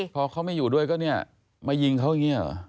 พอเขาไม่อยู่ด้วยก็เนี่ยมายิงเขาอย่างนี้เหรอ